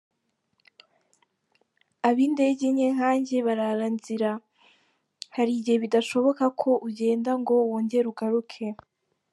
Ab’intege nke nkanjye barara nzira; hari gihe bidashoboka ko ugenda ngo wongere ugaruke.